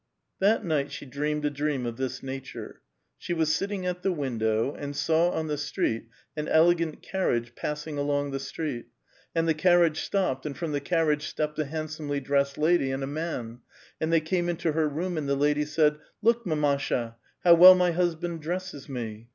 That night sh(^ dreamed a dream of this nature : ^e was sitting at the window, and saw on the street an elegant car riage passing along the street, and the carriage stopped, and from the carriage stepped a handsomely dressed lady" and a man, and thev came into her room, and the ladv said, " Look. mamasha^ how well my husband di*esses me